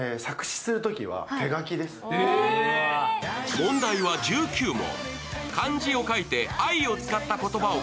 問題は１９問。